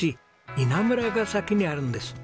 稲村ガ崎にあるんです。